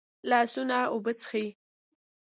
لاسونه اوبه څښي